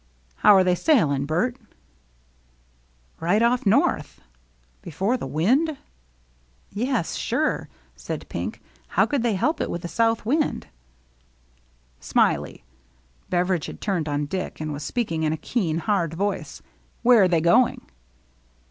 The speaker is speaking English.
" How' re they sailing, Bert?" 2i8 THE MERRT JNNE " Right ofF north." " Before the wind ?" "Yes, sure," said Pink; "how could they help it with a south wind ?"" Smiley," — Beveridge had turned on Dick, and was speaking in a keen, hard voice, — "where are they going?"